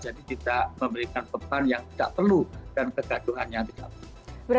jadi tidak memberikan beban yang tidak perlu dan kegaduhannya tidak perlu